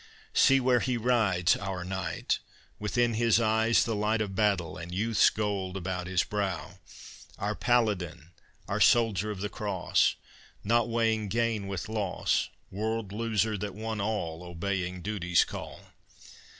See where he rides, our Knight! Within his eyes the light Of battle, and youth's gold about his brow; Our Paladin, our Soldier of the Cross, Not weighing gain with loss World loser, that won all Obeying duty's call!